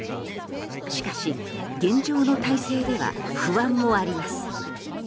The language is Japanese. しかし、現状の体制では不安もあります。